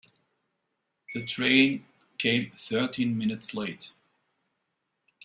The train came thirteen minutes late.